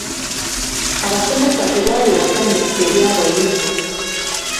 Abasomesa tebaali basanyufu eri abayizi.